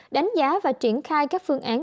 đánh giá và triển khai các phương án